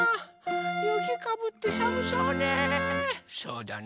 ゆきかぶってさむそうね。